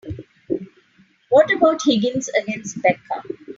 What about Higgins against Becca?